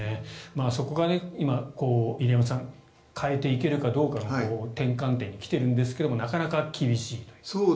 そこが今、入山さん変えていけるかどうかの転換点に来ているんですがなかなか厳しいという。